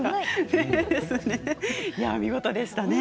見事でしたね。